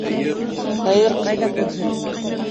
Хәйер, ҡайҙа күрһен?